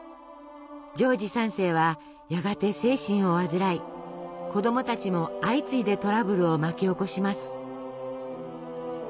ジョージ３世はやがて精神を患い子どもたちも相次いでトラブルを巻き起こします。